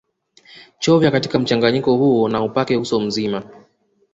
Chovya katika mchanganyiko huo na upake uso mzima